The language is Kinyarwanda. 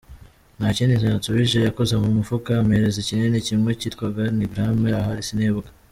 Nta kindi yansubije yakoze mu mufuka ampereza ikinini kimwe kitwaga nigram ahari sinibuka.